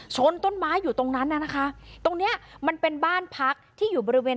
ชนต้นไม้อยู่ตรงนั้นน่ะนะคะตรงเนี้ยมันเป็นบ้านพักที่อยู่บริเวณ